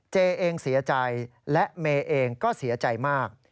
เจเองเสียใจและเมย์เองก็เสียใจมาก